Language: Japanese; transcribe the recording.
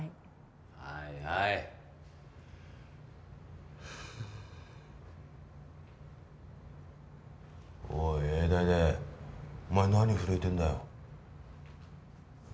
はいはいおい永大出お前なに震えてんだよ？